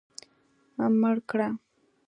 مړ کړه.